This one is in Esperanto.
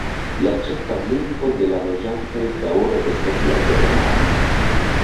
La ĉefa lingvo de la loĝantoj daŭre estas la germana.